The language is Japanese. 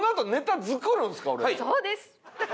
そうです。